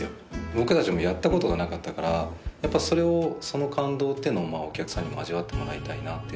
僕たちもやったことがなかったからその感動っていうのをお客さんにも味わってもらいたいなっていうのは。